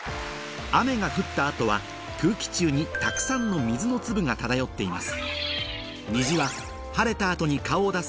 雨が降った後は空気中にたくさんの水の粒が漂っています